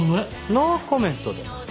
ノーコメントで。